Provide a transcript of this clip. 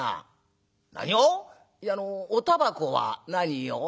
「いやあのおたばこは何を？」。